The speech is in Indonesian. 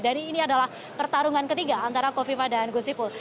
dan ini adalah pertarungan ketiga antara kofifa dan gusipul